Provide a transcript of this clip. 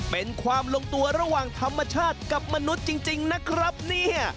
เป็นความลงตัวระหว่างธรรมชาติกับมนุษย์จริงนะครับเนี่ย